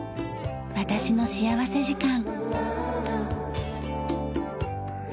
『私の幸福時間』。